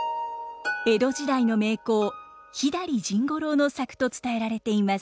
江戸時代の名工左甚五郎の作と伝えられています。